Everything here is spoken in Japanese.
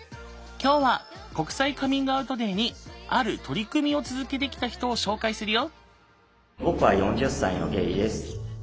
今日は国際カミングアウトデーにある取り組みを続けてきた人を紹介するよ。